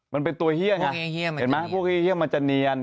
มันเป็นตัวเฮียค่ะเห็นมั้ยพวกเฮียเฮียมันจะเนียน